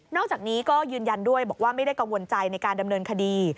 อกจากนี้ก็ยืนยันด้วยบอกว่าไม่ได้กังวลใจในการดำเนินคดี